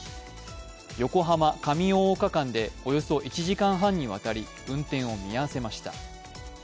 横浜−上大岡間で、およそ１時間半にわたり運転を見合わせました。